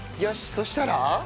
そしたら？